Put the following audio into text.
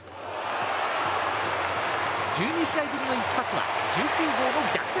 １２試合ぶりの一発は１９号の逆転